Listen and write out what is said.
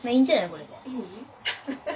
これで。